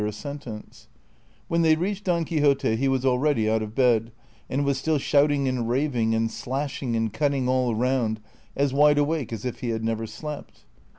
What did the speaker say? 41 When they reached Don Quixote he was ah eady out of bed, and was still shouting and raving, and slashing and cutting all round, as wide awake as if he had never slept.